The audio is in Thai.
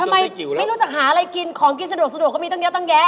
ทำไมไม่รู้จักหาอะไรกินของกินสะดวกก็มีตั้งเนี้ยตั้งแก๊